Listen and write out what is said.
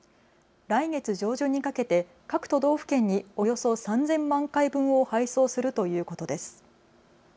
来月上旬にかけて各都道府県におよそ３０００万回分を配送するということです。